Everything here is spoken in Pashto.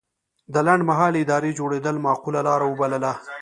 د لنډمهالې ادارې جوړېدل معقوله لاره وبلله.